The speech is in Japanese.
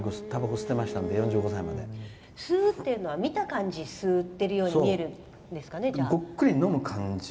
吸うっていうのは見た感じ、吸っているように見えるんですかね。